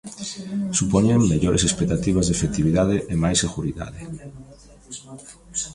Supoñen mellores expectativas de efectividade e máis seguridade.